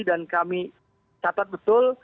dan kami catat betul